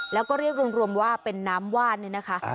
แล้วก็เรียกรวมว่าเป็นน้ำว่านนี่นะคะ